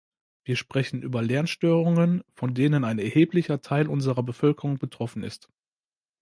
Wir sprechen über Lernstörungen, von denen ein erheblicher Teil unserer Bevölkerung betroffen ist.